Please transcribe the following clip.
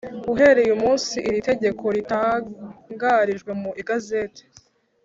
Uhereye umunsi iri tegeko ritangarijwe mu igazeti